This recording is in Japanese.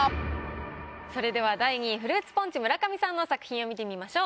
それでは第２位「フルーツポンチ」村上さんの作品を見てみましょう。